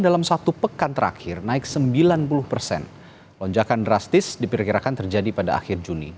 dalam satu pekan terakhir naik sembilan puluh persen lonjakan drastis diperkirakan terjadi pada akhir juni